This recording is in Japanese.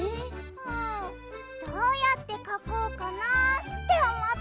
うんどうやってかこうかなっておもって。